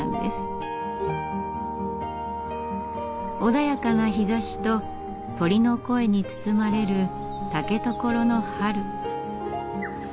穏やかな日ざしと鳥の声に包まれる竹所の春。